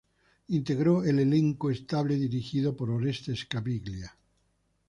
Integró el elenco estable dirigido por Orestes Caviglia.